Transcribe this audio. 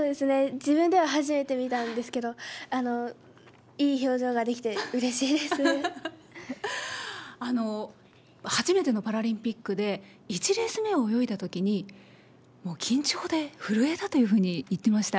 自分では初めて見たんですけど、初めてのパラリンピックで、１レース目を泳いだときに、もう緊張で震えたというふうに言ってました。